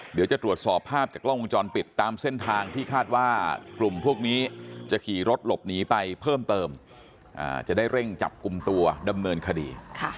เดี๋ยวจะตรวจสอบภาพจากกล้องวงจรปิดตามเส้นทางที่คาดว่ากลุ่มพวกนี้จะขี่รถหลบหนีไปเพิ่มเติมจะได้เร่งจับกลุ่มตัวดำเนินคดี